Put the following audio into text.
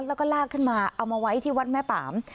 แล้วก็ลากขึ้นมาเอามาไว้ที่วัดแม่ป่าม